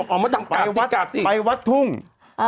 แล้วก็จับมือท่านอ่ะมาปากบนหัวตัวเองอ่ะ